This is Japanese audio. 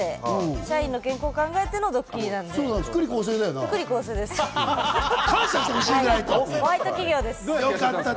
社員の健康を考えてのドッキリだったんで。